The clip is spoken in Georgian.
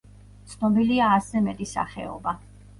ცნობილია ასზე მეტი სახეობა.